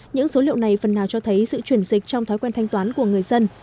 những số liệu này phần nào cho thấy sự chuyển dịch trong thói quen thanh toán của người dân